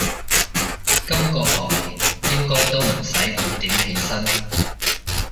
今個學年應該都唔使五點起身